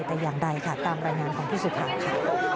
แต่อย่างใดค่ะตามรายงานของพี่สุภาพค่ะ